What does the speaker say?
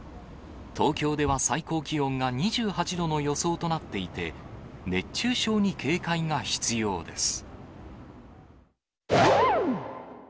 東京では最高気温が２８度の予想となっていて、熱中症に警戒が必要です。